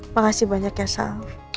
makasih banyak ya sal